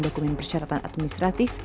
dokumen persyaratan administrasi